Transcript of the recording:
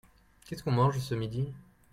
Qu'est-ce qu'on mange ce midi ?